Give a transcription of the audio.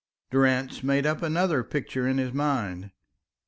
Durrance made up another picture in his mind.